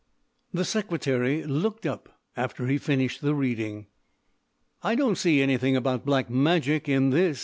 The Secretary looked up after he finished the reading. "I don't see anything about Black Magic in this?"